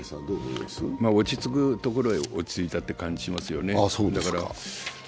落ち着くところへ落ち着いたという感じがしますよね。